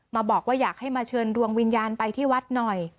มาบอกว่าอยากให้มาเชิญดวงวิญญาณไปที่วัดหน่อย